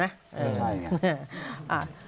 ก็ใช่อย่างนั้น